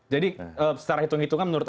jadi secara hitung hitungan menurut